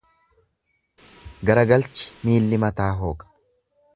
Garagalchi miilli mataa hooqa.